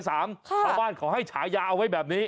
ชาวบ้านเขาให้ฉายาเอาไว้แบบนี้